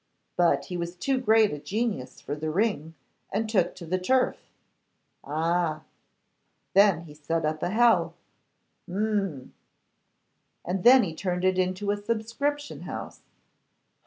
But he was too great a genius for the ring, and took to the turf.' 'Ah!' 'Then he set up a hell.' 'Hum!' 'And then he turned it into a subscription house.